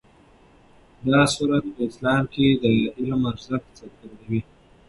دا سورت په اسلام کې د علم ارزښت څرګندوي.